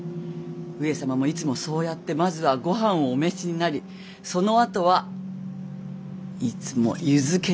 上様もいつもそうやってまずはご飯をお召しになりそのあとはいつも湯漬けになさいます。